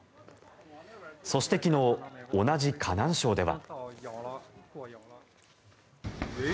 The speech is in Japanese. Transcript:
そして昨日、同じ河南省では。